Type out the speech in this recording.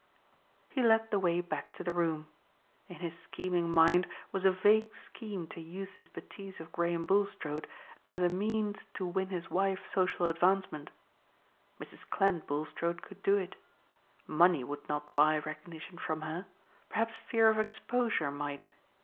He led the way back to the room. In his scheming mind was a vague scheme to use this bêtise of Graham Bulstrode as a means to win his wife social advancement. Mrs. Clent Bulstrode could do it. Money would not buy recognition from her. Perhaps fear of exposure might.